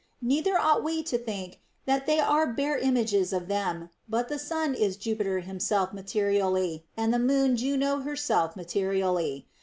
Neither ought we to think that they are bare images of them, but the Sun is Jupiter himself materially, and the Moon Juno herself materially.